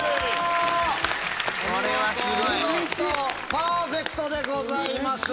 パーフェクトでございます。